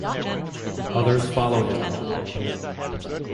Others follow him.